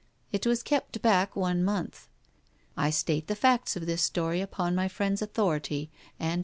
It was kept back one month. I state the facts of this story upon my friend's authority, and by his permission.